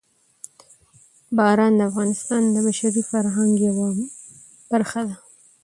باران د افغانستان د بشري فرهنګ یوه برخه ده.